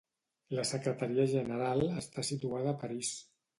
La Secretaria General està situada a París.